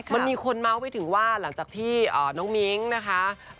มันมีคนเมาส์ไปถึงว่าหลังจากที่น้องมิ้งนะคะ